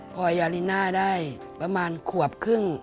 พอยาลิน่าได้ประมาณขวบครึ่ง